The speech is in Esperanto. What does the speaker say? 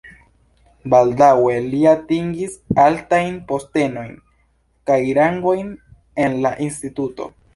Baldaŭe li atingis altajn postenojn kaj rangojn en la instituto.